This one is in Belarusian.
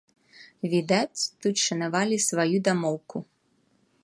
Відаць, тут шанавалі сваю дамоўку.